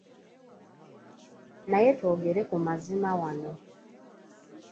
Naye twogere ku mazima wano.